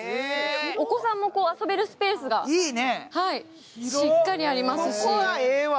お子さんも遊べるスペースがしっかりありますし。